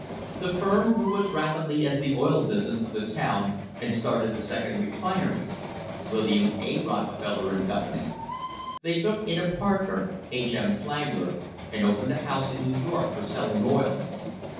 The firm grew as rapidly as the oil business of the town, and started a second refinery — William A. Rockefeller and Company. They took in a partner, H. M. Flagler, and opened a house in New York for selling oil.